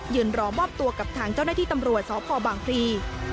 รอมอบตัวกับทางเจ้าหน้าที่ตำรวจสพบางพลี